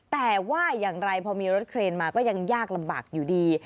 แต่ว่าอย่างไรพอมีรถเครนมาก็ยังยากลำบากอยู่ดี